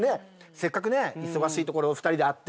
せっかくね忙しいところを２人で会って。